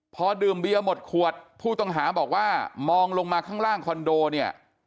พอดื่มเบียร์หมดขวดผู้ต้องหาบอกว่ามองลงมาข้างล่างคอนโดเนี่ย